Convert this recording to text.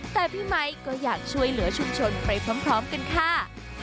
แต่พี่ไมค์ก็อยากช่วยเหลือชุมชนไปพร้อมกันค่ะ